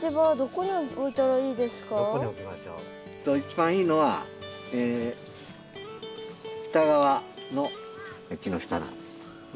一番いいのは北側の木の下なんですね。